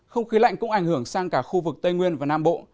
không khí lạnh cũng ảnh hưởng sang cả khu vực tây nguyên và nam bộ